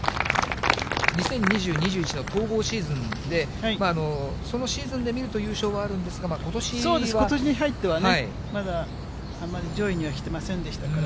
２０２０、２１の統合シーズンで、そのシーズンで見ると、優勝はあそうです、ことしに入ってはね、まだあまり上位にはきてませんでしたから。